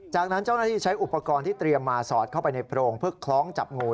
จากนั้นเจ้าหน้าที่ใช้อุปกรณ์ที่เตรียมมาสอดเข้าไปในโพรงเพื่อคล้องจับงู